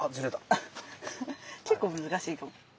結構難しいかも。